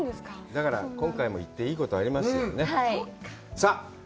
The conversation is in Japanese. だから今回も行って、いいことありますよね。